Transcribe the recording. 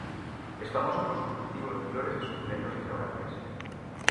Es famoso por sus cultivos de flores y suculentos restaurantes.